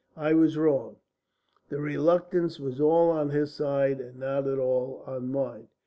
I was wrong. The reluctance was all on his side and not at all on mine.